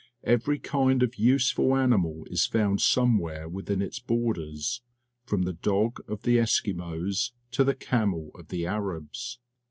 Every kind of useful animal is found somewhere within its borders, from the dog of the Eskimos to the camel of the Arabs.